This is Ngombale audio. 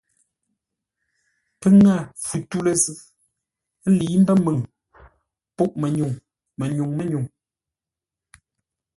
Pə́ ŋə̂ fu tû lə́ zʉ́ ə́ lə̌i mbə́ məŋ pûʼ-mənyuŋ mə́nyúŋ mə́nyúŋ,